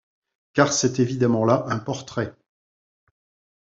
Car c’est évidemment là un portrait.